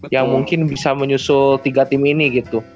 yang mungkin bisa menyusul tiga tim ini gitu